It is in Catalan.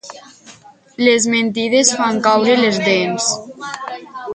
Les mentides fan caure les dents.